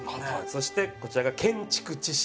そしてこちらが『建築知識』という。